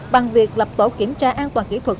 bằng việc lập tổ kiểm tra an toàn kỹ thuật